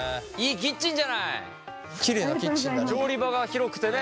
調理場が広くてね！